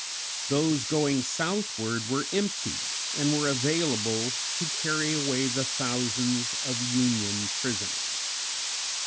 Those going southward were empty, and were available to carry away the thousands of Union prisoners.